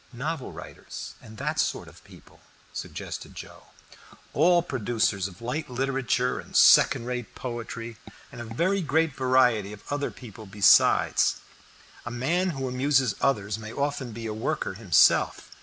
"Novel writers, and that sort of people," suggested Joe. "All producers of light literature and second rate poetry, and a very great variety of other people besides. A man who amuses others may often be a worker himself.